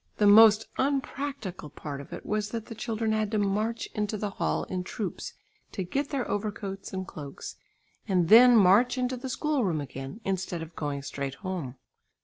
The most unpractical part of it was that the children had to march into the hall in troops to get their overcoats and cloaks, and then march into the school room again, instead of going straight home.